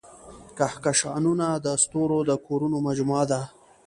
کهکشانونه د ستورو د کورونو مجموعه ده.